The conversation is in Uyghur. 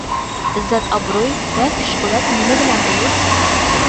ئىززەت-ئابرۇي ۋە كۈچ-قۇۋۋەت نېمە بىلەن بولۇر؟